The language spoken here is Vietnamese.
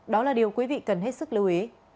đó là điều quý vị cần hết sức lưu ý